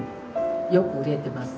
よく売れてます。